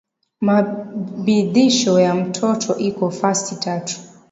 Maadibisho ya mtoto iko fasi tatu